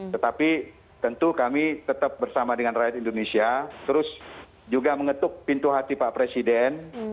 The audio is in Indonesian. tetapi tentu kami tetap bersama dengan rakyat indonesia terus juga mengetuk pintu hati pak presiden